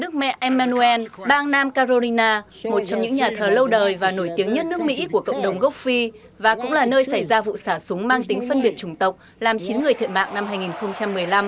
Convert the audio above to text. đức mẹ emmanuel bang nam carolina một trong những nhà thờ lâu đời và nổi tiếng nhất nước mỹ của cộng đồng gốc phi và cũng là nơi xảy ra vụ xả súng mang tính phân biệt chủng tộc làm chín người thiệt mạng năm hai nghìn một mươi năm